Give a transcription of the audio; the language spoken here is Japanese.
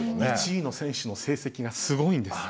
１位の選手の成績がすごいんです。